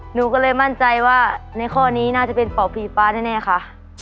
หนูก็เลยมั่นใจว่าในข้อนี้น่าจะเป็นเป่าผีฟ้าแน่ค่ะ